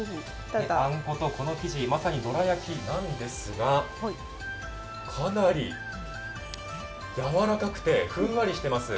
あんことこの生地、まさにどら焼きなんですが、かなりやわらかくて、ふんわりしています。